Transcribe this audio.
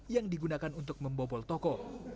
yang digunakan untuk membobol toko